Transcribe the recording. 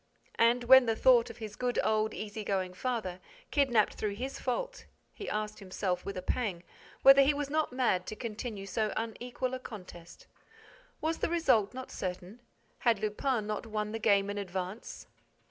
And, when he thought of his good old, easy going father, kidnapped through his fault, he asked himself, with a pang, whether he was not mad to continue so unequal a contest. Was the result not certain? Had Lupin not won the game in advance?